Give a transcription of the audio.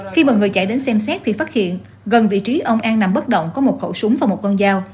khi mọi người chạy đến xem xét thì phát hiện gần vị trí ông an nằm bất động có một khẩu súng và một con dao